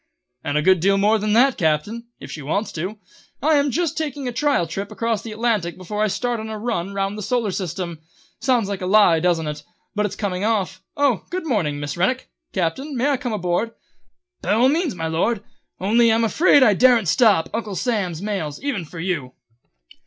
"And a good deal more than that, Captain, if she wants to. I am just taking a trial trip across the Atlantic before I start on a run round the Solar System. Sounds like a lie, doesn't it? But it's coming off. Oh, good morning, Miss Rennick! Captain, may I come on board?" "By all means, my Lord, only I'm afraid I daren't stop Uncle Sam's mails, even for you."